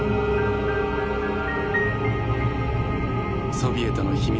ソビエトの秘密